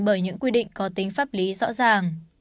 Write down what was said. bởi những quy định có tính pháp lý rõ ràng